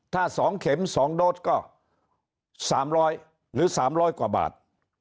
ถ้า๒เข็ม๒โดสก็๓๐๐หรือ๓๐๐กว่าบาท